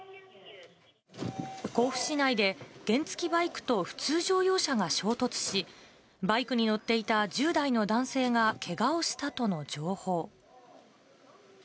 甲府市内で原付きバイクと普通乗用車が衝突し、バイクに乗っていた１０代の男性がけがをしたとの情報。